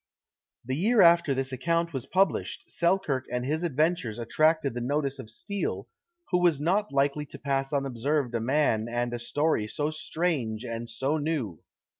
The year after this account was published, Selkirk and his adventures attracted the notice of Steele, who was not likely to pass unobserved a man and a story so strange and so new.